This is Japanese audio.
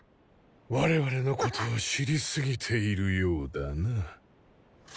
我々のことを知りすぎているようだな。